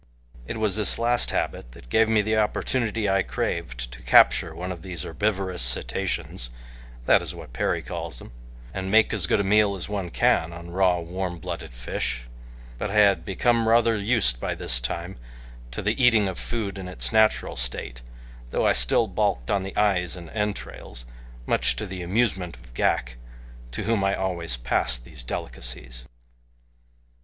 It was this last habit that gave me the opportunity I craved to capture one of these herbivorous cetaceans that is what Perry calls them and make as good a meal as one can on raw, warm blooded fish; but I had become rather used, by this time, to the eating of food in its natural state, though I still balked on the eyes and entrails, much to the amusement of Ghak, to whom I always passed these delicacies.